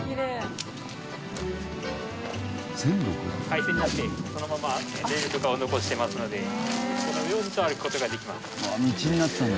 廃線になってそのままレールとかを残してますのでこの上をずっと歩く事ができます。